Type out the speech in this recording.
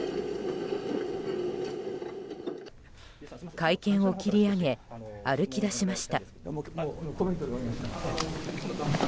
会見を切り上げ歩き出しました。